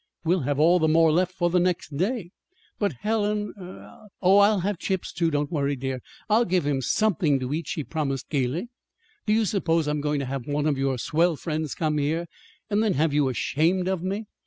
We'll have all the more left for the next day." "But, Helen, er " "Oh, I'll have chips, too; don't worry, dear. I'll give him something to eat," she promised gayly. "Do you suppose I'm going to have one of your swell friends come here, and then have you ashamed of me?